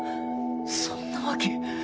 そんなわけ。